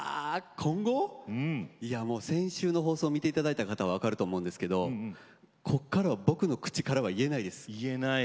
今後先週の放送を見ていただいたら分かると思うんですけれどもここからは僕の口からは言えないです。